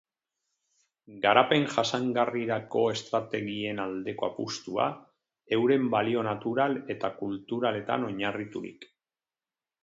Garapen jasangarrirako estrategien aldeko apustua, euren balio natural eta kulturaletan oinarriturik.